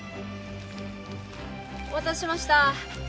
お待たせしました。